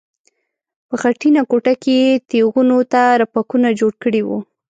په خټینه کوټه کې یې تیغونو ته رپکونه جوړ کړي وو.